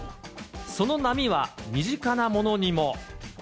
その波は、身近なものにも。